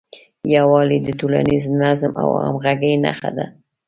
یووالی د ټولنیز نظم او همغږۍ نښه ده.